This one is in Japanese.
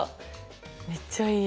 めっちゃいい。